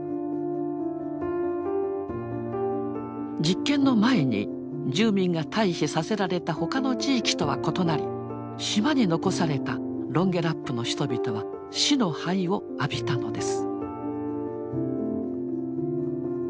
実験の前に住民が退避させられた他の地域とは異なり島に残されたロンゲラップの人々は死の灰を浴びたのです。